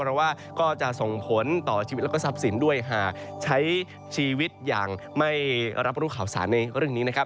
เพราะว่าก็จะส่งผลต่อชีวิตแล้วก็ทรัพย์สินด้วยหากใช้ชีวิตอย่างไม่รับรู้ข่าวสารในเรื่องนี้นะครับ